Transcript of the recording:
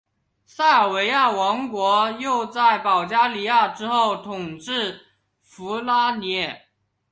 塞尔维亚王国又在保加利亚之后统治弗拉涅。